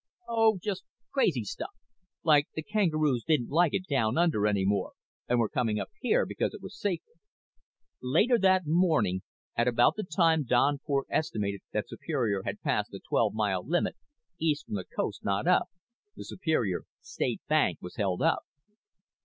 "Oh, just crazy stuff like the kangaroos didn't like it Down Under any more and were coming up here because it was safer." Later that morning, at about the time Don Cort estimated that Superior had passed the twelve mile limit east from the coast, not up the Superior State Bank was held up.